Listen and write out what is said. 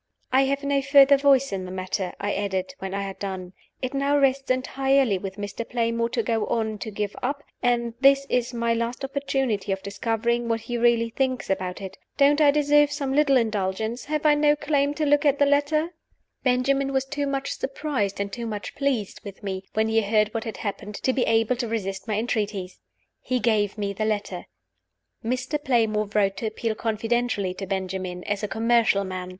"I have no further voice in the matter," I added, when I had done. "It now rests entirely with Mr. Playmore to go on or to give up; and this is my last opportunity of discovering what he really thinks about it. Don't I deserve some little indulgence? Have I no claim to look at the letter?" Benjamin was too much surprised, and too much pleased with me, when he heard what had happened, to be able to resist my entreaties. He gave me the letter. Mr. Playmore wrote to appeal confidentially to Benjamin as a commercial man.